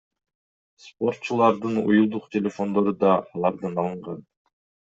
Спортчулардын уюлдук телефондору да алардан алынган.